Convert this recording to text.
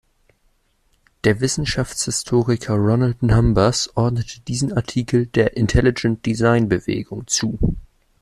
Der Wissenschaftshistoriker Ronald Numbers ordnete diesen Artikel der Intelligent-Design-Bewegung zu.